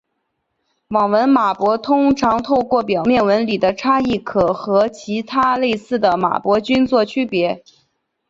网纹马勃通常透过表面纹理的差异可和其他类似的马勃菌作区别。